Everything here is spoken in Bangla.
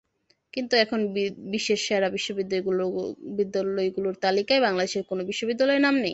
কিন্তু এখন বিশ্বের সেরা বিশ্ববিদ্যালয়গুলোর তালিকায় বাংলাদেশের কোনো বিশ্ববিদ্যালয়ের নাম নেই।